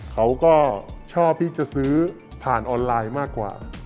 เขาก็ชอบที่จะซื้อผ่านออนไลน์มากกว่า